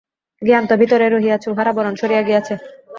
জ্ঞান তো ভিতরেই রহিয়াছে, উহার আবরণ সরিয়া গিয়াছে।